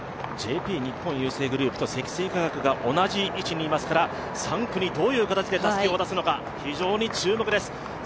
日本郵政グループと積水化学が同じ位置にいますから３区にどういう形でたすきを渡すのか注目です。